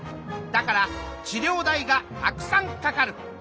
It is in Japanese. だから治療代がたくさんかかる。